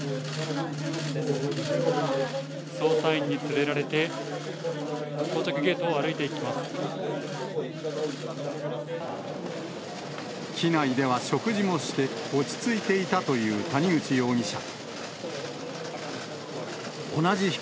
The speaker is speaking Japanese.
捜査員に連れられて、機内では食事もして、落ち着いていたという谷口容疑者。